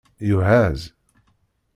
Yuhaz